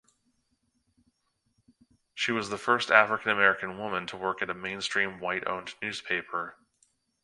She was the first African-American woman to work at a mainstream white-owned newspaper.